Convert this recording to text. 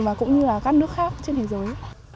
và cũng như là các nước khác trên thế giới